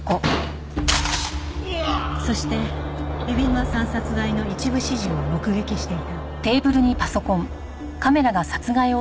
そして海老沼さん殺害の一部始終を目撃していた。